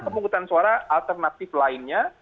pemungutan suara alternatif lainnya